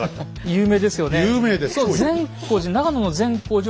有名です。